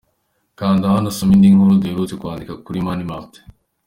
Kanda hano usome indi nkuru duherutse kwandika kuri Mani Martin.